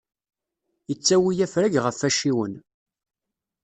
Ittawi afrag ɣef acciwen.